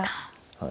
はい。